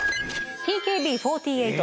「ＴＫＢ４８」。